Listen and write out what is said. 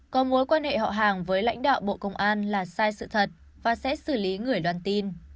có mối quan hệ họ hàng với lãnh đạo bộ công an là sai sự thật và sẽ xử lý người loan tin